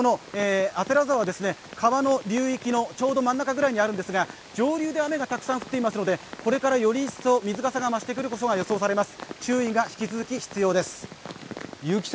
左沢は川の流域のちょうど真ん中ぐらいにあるのですが、上流で雨がたくさん降っているのでこれからより一層水かさが増してくることが予想されます。